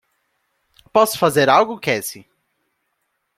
Posso fazer algo Cassie?